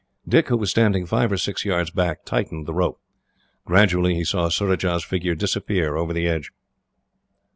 Dick, who was standing five or six yards back, tightened the rope. Gradually he saw Surajah's figure disappear over the edge.